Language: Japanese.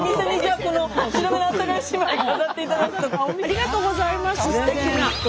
⁉ありがとうございますステキな。